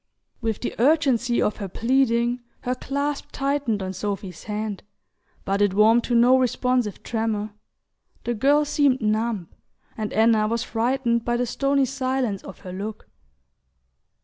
With the urgency of her pleading her clasp tightened on Sophy's hand, but it warmed to no responsive tremor: the girl seemed numb, and Anna was frightened by the stony silence of her look.